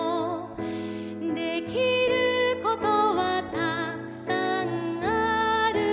「できることはたくさんあるよ」